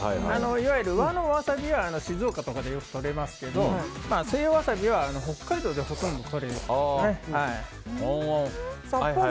和のワサビは静岡とかでとれますが西洋ワサビは北海道でほとんどとれるんです。